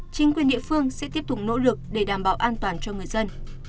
chính quyền địa phương sẽ tiếp tục nỗ lực để đảm bảo an toàn cho người dân